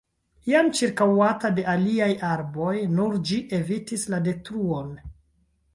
Iam ĉirkaŭata de aliaj arboj, nur ĝi evitis la detruon.